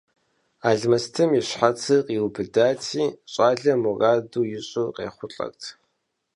Алмэстым и щхьэцыр къиубыдати, щӀалэм мураду ищӀыр къехъулӀэрт.